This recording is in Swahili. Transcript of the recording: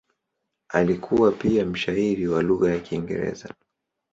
Alikuwa pia mshairi wa lugha ya Kiingereza.